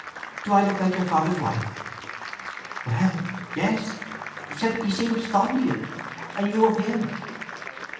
Do I look like your father's wife?" "Well, yes; 'cept he seems fond of you, and you of him.